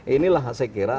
inilah saya kira